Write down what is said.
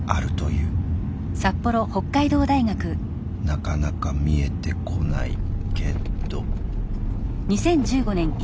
なかなか見えてこないけど。